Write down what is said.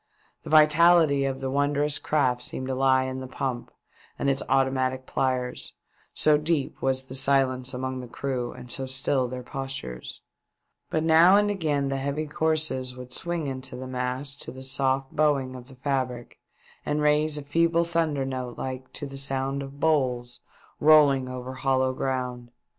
The vitality of the wondrous craft seemed to lie in the pump and its automatic plyers, so deep was the silence among the crew and so still their postures ; but now and again the heavy courses would swing into the masts to the soft bowing of the fabric and raise a feeble thunder note like to the sound of bowls rolling over hollow ground.